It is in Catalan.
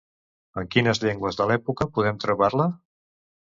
En quines llengües de l'època podem trobar-la?